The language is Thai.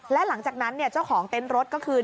และหลังจากนั้นเจ้าของเต็นต์รถก็คือ